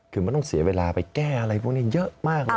คือมันต้องเสียเวลาไปแก้อะไรพวกนี้เยอะมากเลย